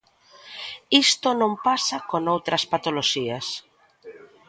Isto non pasa con outras patoloxías.